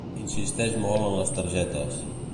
Insisteix molt en les targetes.